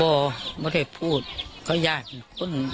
บอกไม่ได้พูดเขายากเป็นคน